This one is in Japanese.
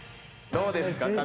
どうですか？